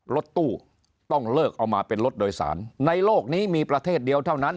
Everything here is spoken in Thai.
รถตู้ต้องเลิกเอามาเป็นรถโดยสารในโลกนี้มีประเทศเดียวเท่านั้น